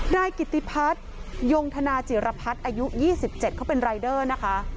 นายกิติพัฒนยงธนาจิรพัฒน์อายุ๒๗เขาเป็นรายเดอร์นะคะ